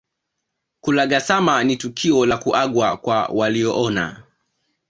Kulagasama ni tukio la kuagwa kwa waliooana